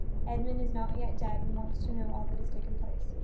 Edmund is not yet dead, and wants to know all that has taken place.